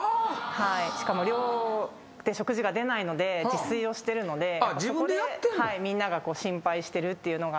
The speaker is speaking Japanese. しかも寮で食事が出ないので自炊をしてるのでそこでみんなが心配してるっていうのがあります。